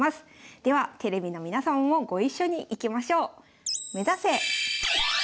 ではテレビの皆様もご一緒にいきましょう！